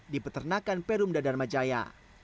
di peternakan perumda dharmajaya